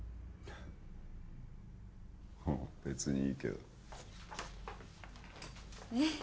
うん別にいいけどえっ？